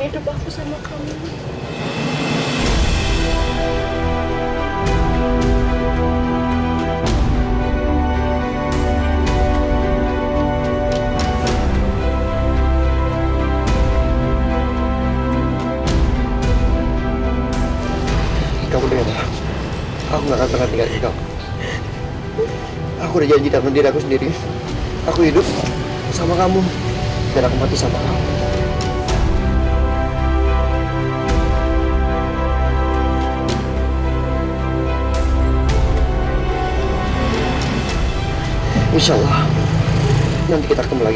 tapi kamu harus potong ini karena kita udah gak ada waktu lagi